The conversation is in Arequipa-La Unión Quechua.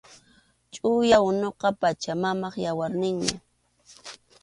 Chʼuya unuqa Pachamamap yawarninmi